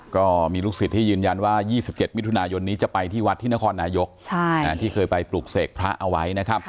ก็มีลูกศิษย์ที่ยืนยันว่า๒๗มิถุนายนนี้จะไปที่วัดที่นครนายกที่เคยไปปลูกเสกพระเอาไว้นะครับ